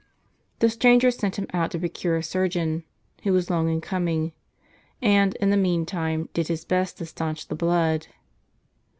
The stranger sent him out to procure a surgeon, who was long in coming ; and, in the meantime, did his best to stanch the blood.